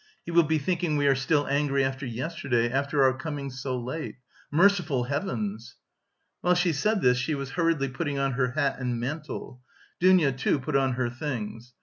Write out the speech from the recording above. "He will be thinking we are still angry after yesterday, from our coming so late. Merciful heavens!" While she said this she was hurriedly putting on her hat and mantle; Dounia, too, put on her things.